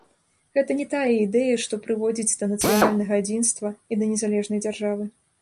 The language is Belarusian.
Гэта не тая ідэя, што прыводзіць да нацыянальнага адзінства і да незалежнай дзяржавы.